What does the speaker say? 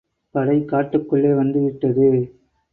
படை காட்டுள்ளே வந்துவிட்டது.